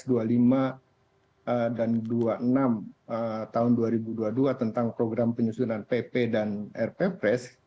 dua puluh lima dan dua puluh enam tahun dua ribu dua puluh dua tentang program penyusunan pp dan rp pres